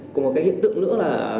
cũng có cái hiện tượng nữa là